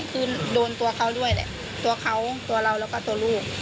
คือโดนตัวเขาด้วยแหละตัวเขาตัวเราแล้วก็ตัวลูก